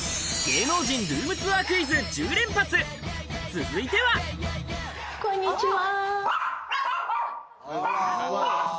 続いてはこんにちは。